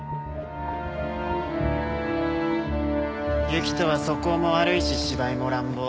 行人は素行も悪いし芝居も乱暴。